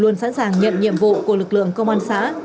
luôn sẵn sàng nhận nhiệm vụ của lực lượng công an xã